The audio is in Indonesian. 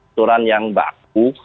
aturan yang baku